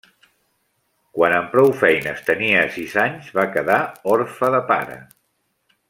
Quan amb prou feines tenia sis anys va quedar orfe de pare.